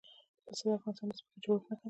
پسه د افغانستان د ځمکې د جوړښت نښه ده.